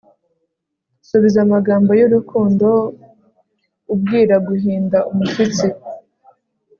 subiza amagambo y'urukundo ubwira guhinda umushyitsi